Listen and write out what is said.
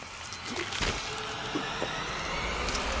うっ。